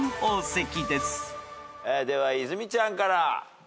では泉ちゃんから。